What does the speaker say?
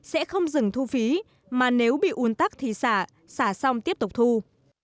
sẽ không dừng thu phí mà nếu bị un tắc thì xả xả xong tiếp tục thu